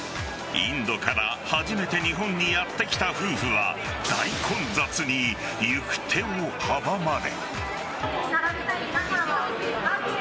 インドから初めて日本にやってきた夫婦は大混雑に行く手を阻まれ。